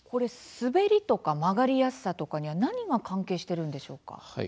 滑りとか曲がりやすさには何が関係しているんでしょうか。